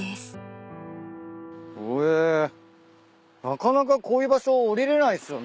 なかなかこういう場所下りれないっすよね。